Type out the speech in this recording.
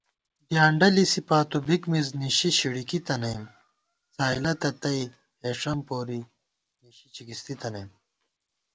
ڈیانڈہ لِسی پاتُو بِک مِز نِشِی شِڑِکی تَنَئیم * څھائلَتہ تئ ہېݭَم پوری نِشی چِکِستی تَنَئم